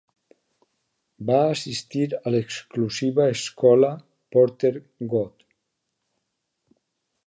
Va assistir a l'exclusiva escola Porter-Gaud.